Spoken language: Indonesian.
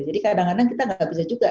jadi kadang kadang kita gak bisa juga